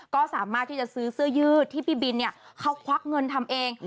ก็สามารถที่จะซื้อเสื้อยืดที่พี่บินเขาควักเงินทำเอง